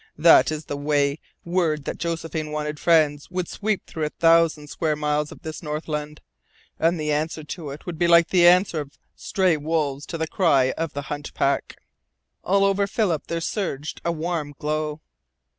"That is the way word that Josephine wanted friends would sweep through a thousand square miles of this Northland. And the answer to it would be like the answer of stray wolves to the cry of the hunt pack!" All over Philip there surged a warm glow.